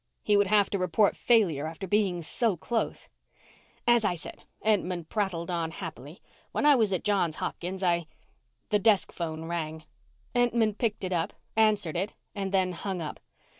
He would have to report failure after being so close. "As I said," Entman prattled on happily, "when I was at Johns Hopkins I " The desk phone rang. Entman picked it up, answered it and then hung up.